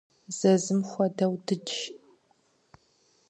Зэзым хуэдэу дыдж.